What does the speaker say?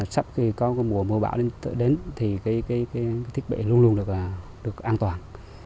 sắp khi có mùa mưa bão đến thì thiết bị luôn luôn được an toàn